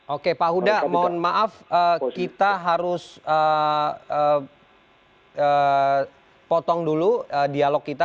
oke pak huda mohon maaf kita harus potong dulu dialog kita